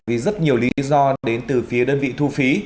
vì rất nhiều lý do đến từ phía đơn vị thu phí